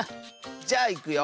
じゃあいくよ。